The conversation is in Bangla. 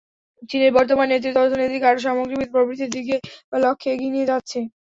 চীনের বর্তমান নেতৃত্ব অর্থনীতিকে আরও সামগ্রিক প্রবৃদ্ধির লক্ষ্যে এগিয়ে নিয়ে যাচ্ছে।